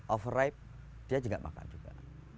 overripe dia juga tidak makan juga